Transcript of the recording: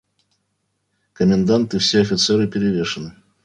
Комендант и все офицеры перевешаны.